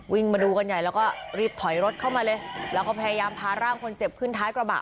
มาดูกันใหญ่แล้วก็รีบถอยรถเข้ามาเลยแล้วก็พยายามพาร่างคนเจ็บขึ้นท้ายกระบะ